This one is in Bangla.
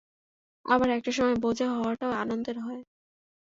আবার, একটা সময়, বোঝা হওয়াটাও আনন্দের হয়।